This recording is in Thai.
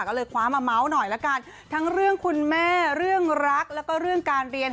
ก็เลยคว้ามาเมาส์หน่อยละกันทั้งเรื่องคุณแม่เรื่องรักแล้วก็เรื่องการเรียน